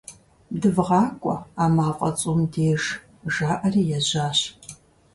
ДывгъакӀуэ, а мафӀэ цӀум деж, - жаӀэри ежьащ.